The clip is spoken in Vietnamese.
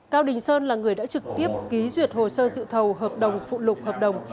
cao đình sơn là người đã trực tiếp ký duyệt hồ sơ dự thầu hợp đồng phụ lục hợp đồng